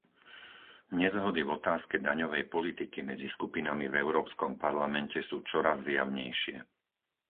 Nezhody v otázke daňovej politiky medzi skupinami v Európskom parlamente sú čoraz zjavnejšie.